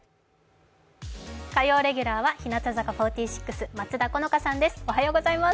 火曜レギュラーは日向坂４６、松田好花さんです。